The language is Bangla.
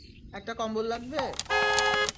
একটা কম্বল লাগবে?